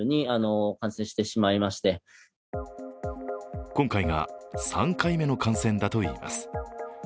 実は今回が３回目の感染だといいます